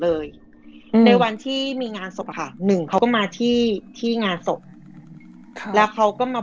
เลยอืมในวันที่มีงานศพอะค่ะหนึ่งเขาก็มาที่ที่งานศพแล้วเขาก็มา